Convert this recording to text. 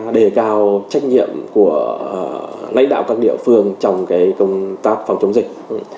đề cao trách nhiệm của lãnh đạo các địa phương trong công tác phòng chống dịch